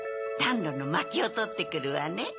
だんろのまきをとってくるわね。